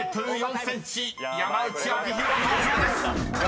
［２ｍ４ｃｍ山内晶大の登場です］